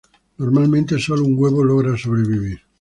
Normalmente sólo un huevo logra sobrevivir.